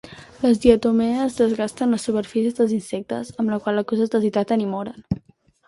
Les diatomees desgasten les superfícies dels insectes, amb la qual cosa es deshidraten i moren.